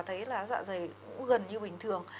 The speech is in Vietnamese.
thấy là dạ dày cũng gần như bình thường